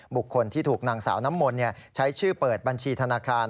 บุคคลที่ถูกนางสาวน้ำมนต์ใช้ชื่อเปิดบัญชีธนาคาร